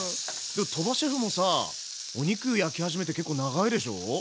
でも鳥羽シェフもさお肉焼き始めて結構長いでしょ？